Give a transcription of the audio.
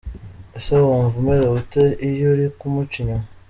Ese wumva umerewe ute iyo uri kumuca inyuma ?.